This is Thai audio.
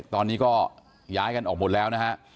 ตอนนี้ก็ย้ายกันออกหมดแล้วนะฮะ